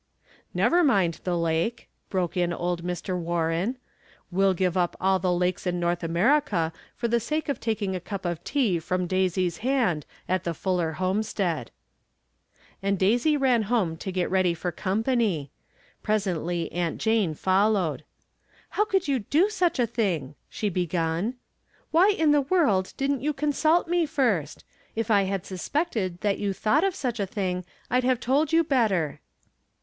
" Never mind the lake," broke in old Mr. War ren, "we'll give up all the lakes in North America for the sake of taking a cup of tea from Daisy's hand at the Fuller homestead." And Daisy ran home to get ready for " com pany." Presently Aunt Jane followed :" liow could you do such a thing ?" she began. From Different Standpoints. 29 " Why in the world didn't you consult me first ? If I had suspected that you thought of such a thing I'd have told you better."